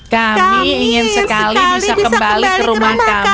kami ingin sekali bisa kembali ke rumah kami